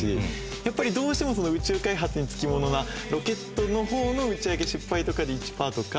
やっぱりどうしてもその宇宙開発につきものなロケットの方の打ち上げ失敗とかで１パーとか。